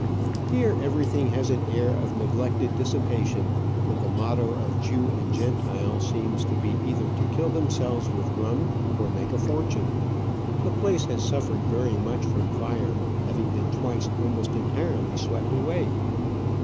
Here every thing has an air of neglected dissipation, and the motto of Jew and Gentile seems to be either to kill them selves with rum or make a fortune. The place has suffered very much from fire, having been twice almost entirely swept away.